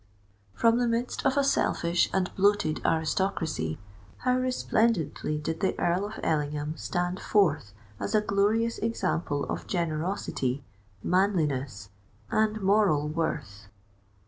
From the midst of a selfish and bloated aristocracy, how resplendently did the Earl of Ellingham stand forth as a glorious example of generosity, manliness, and moral worth!